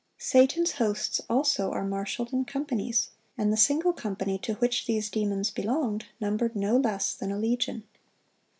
Satan's hosts also are marshaled in companies, and the single company to which these demons belonged numbered no less than a legion.